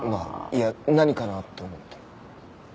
いや何かなって思って。